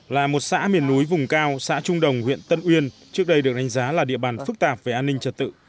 là một xã miền núi vùng cao xã trung đồng huyện tân uyên trước đây được đánh giá là địa bàn phức tạp về an ninh trật tự